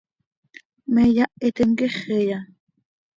¿Me yáhitim quíxiya?